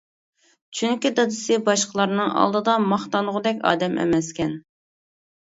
چۈنكى دادىسى باشقىلارنىڭ ئالدىدا ماختانغۇدەك ئادەم ئەمەسكەن.